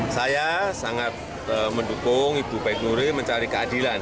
saya sangat mendukung ibu baik nuril mencari keadilan